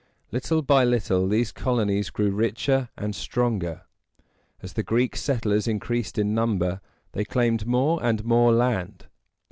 Little by little these colonies grew richer and stronger. As the Greek settlers increased in number, they claimed more and more land.